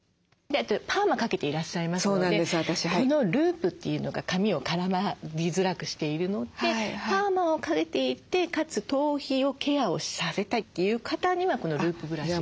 パーマかけていらっしゃいますのでこのループというのが髪を絡みづらくしているのでパーマをかけていてかつ頭皮をケアをされたいという方にはこのループブラシ。